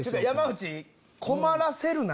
山内！